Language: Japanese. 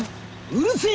うるせぇ！